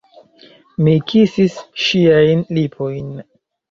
Mi kisis ŝiajn lipojn.